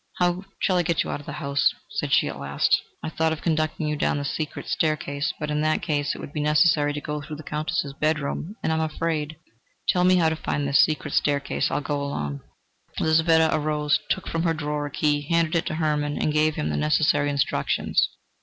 "How shall I get you out of the house?" said she at last. "I thought of conducting you down the secret staircase, but in that case it would be necessary to go through the Countess's bedroom, and I am afraid." "Tell me how to find this secret staircase I will go alone." Lizaveta arose, took from her drawer a key, handed it to Hermann and gave him the necessary instructions.